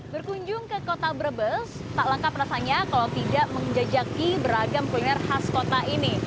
berkunjung ke kota brebes tak lengkap rasanya kalau tidak menjajaki beragam kuliner khas kota ini